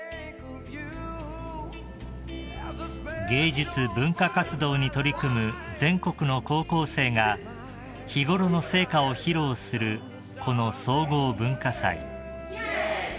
［芸術文化活動に取り組む全国の高校生が日頃の成果を披露するこの総合文化祭］